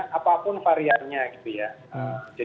jadi yang paling penting adalah kita harus mencari varian baru